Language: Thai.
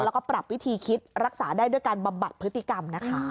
แล้วก็ปรับวิธีคิดรักษาได้ด้วยการบำบัดพฤติกรรมนะคะ